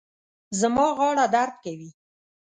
زما غاړه درد کوي